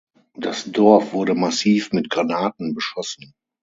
Das Dorf wurde massiv mit Granaten beschossen.